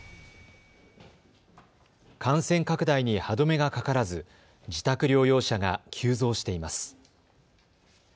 感染拡大に歯止めがかからず自宅療養者が急増しています。